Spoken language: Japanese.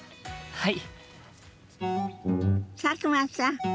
はい。